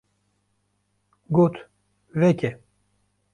Got: ‘’ Veke.